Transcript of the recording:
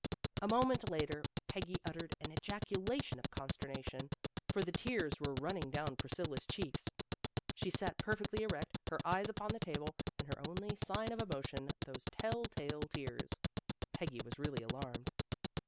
A moment later Peggy uttered an ejaculation of consternation, for the tears were running 166 PEGGY RAYMOND'S WAY down Priscilla T s cheeks. She sat perfectly erect, her eyes upon the table, and her only sign of emotion those tell tale tears. Peggy was really alarmed.